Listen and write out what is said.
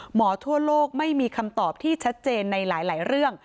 หมอทั่วโลกไม่มีคำตอบที่ชัดเจน